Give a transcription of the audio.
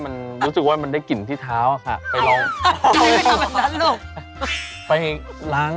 ก็อาจจะบอกกับเขาดีว่า